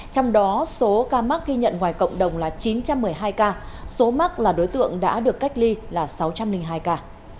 trong đó số ca mắc ghi nhận ngoài cộng đồng là chín trăm một mươi hai ca số mắc là đối tượng đã được cách ly là sáu trăm linh hai ca